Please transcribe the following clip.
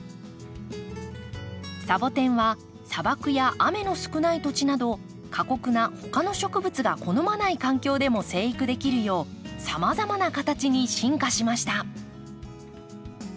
サボテンは砂漠や雨の少ない土地など過酷な他の植物が好まない環境でも生育できるようさまざまな形に進化しました。